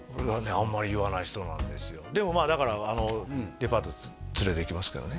あんまり言わない人なんですよでもまあだからデパート連れていきますけどね